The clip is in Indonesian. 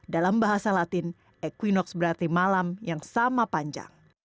dalam bahasa latin equinox berarti malam yang sama panjang